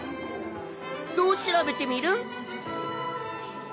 どう調べテミルン？